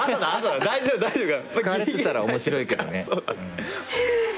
使われてたら面白いけどね。